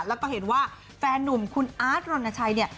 แล้วก็เห็นว่าแฟนนุ่มคุณอาร์ดยนต์นาชัย